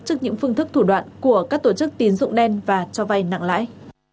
trước những phương thức thủ đoạn của các tổ chức tín dụng đen và cho vay nặng lãi